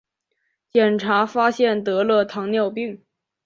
检查发现得了糖尿病